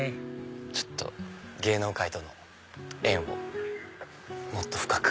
ちょっと芸能界との縁をもっと深く。